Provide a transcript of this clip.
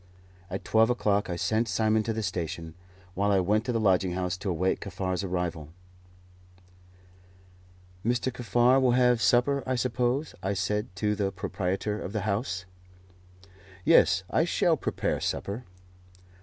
At twelve o'clock I sent Simon to the station, while I went to the lodging house to await Kaffar's arrival. "Mr. Kaffar will have supper, I suppose?" I said to the proprietor of the house. "Yes, I shall prepare supper."